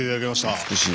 美しい。